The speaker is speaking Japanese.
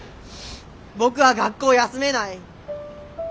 僕は学校休めない。